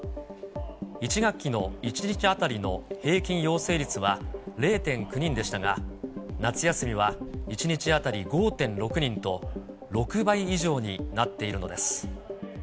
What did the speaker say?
１学期の１日当たりの平均陽性率は０．９人でしたが、夏休みは１日当たり５．６人と、６倍以上になっているのです。